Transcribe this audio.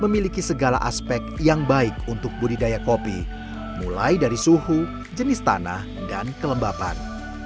memiliki segala aspek yang baik untuk budidaya kopi mulai dari suhu jenis tanah dan kelembapan